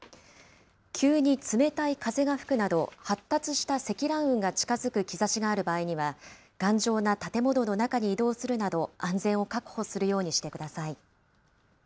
急に冷たい風が吹くなど、発達した積乱雲が近づく兆しがある場合には、頑丈な建物の中に移動するなど、安全を確保するようにしてください。